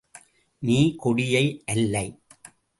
நீ கொடியை அல்லை.